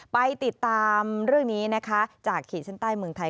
ไปติดตามเรื่องนี้นะคะจากขีดเส้นใต้เมืองไทย